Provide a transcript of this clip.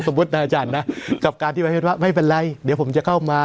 อาจารย์นะกับการที่ประเทศว่าไม่เป็นไรเดี๋ยวผมจะเข้ามา